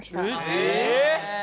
え！